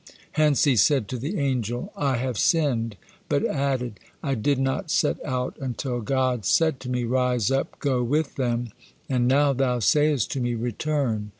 Hence he said to the angel, "I have sinned," but added, "I did not set out until God said to me, 'Rise up, go with them;' and now thou sayest to me, 'Return.'